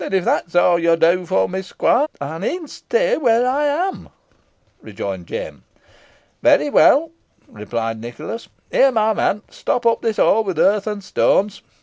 "Then if that's aw yo'll do fo' me, squire, eyn e'en stay wheere ey am," rejoined Jem. "Very well," replied Nicholas. "Here, my man, stop up this hole with earth and stones.